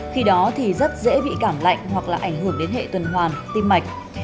khi đó thì rất dễ bị cảm lạnh hoặc là ảnh hưởng đến hệ tuần hoàn tim mạch